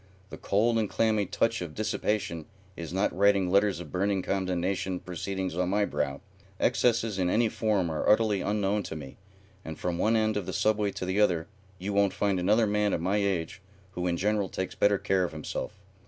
The cold and clammy touch of dissipation is not writing letters of burning condemnation proceedings on my brow. Excesses in any form are utterly unknown to me, and from one end of the Subway to the other you won't find another man of my age who in general takes better care of himself.